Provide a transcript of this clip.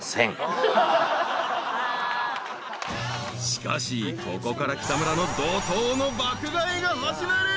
［しかしここから北村の怒濤の爆買いが始まる］